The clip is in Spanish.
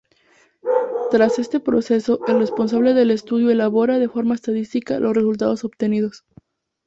Tras este proceso, el responsable del estudio elabora de forma estadística los resultados obtenidos.